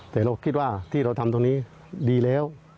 แต่เราคิดว่าที่เราทำตรงนี้ดีแล้ว